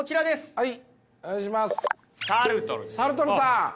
はい。